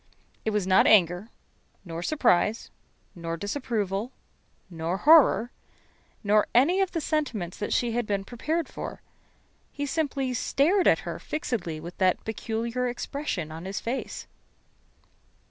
It was not anger, nor surprise, nor disapproval, nor horror, nor any of the sentiments that she had been prepared for. He simply stared at her fixedly with that peculiar expression on his face.